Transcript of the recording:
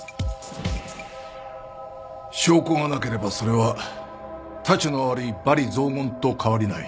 証拠がなければそれはたちの悪い罵詈雑言と変わりない。